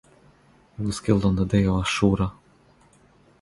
He was killed on the Day of Ashura.